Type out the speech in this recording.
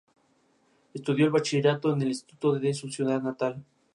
Es actriz y cantante de tango argentina.